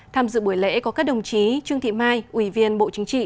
tham dự buổi lễ có các đồng chí trương thị mai ủy viên bộ chính trị